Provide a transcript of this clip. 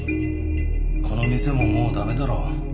この店ももう駄目だろう。